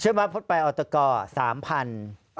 เชื่อมาพบไปออร์ตกอร์๓๐๐๐บาท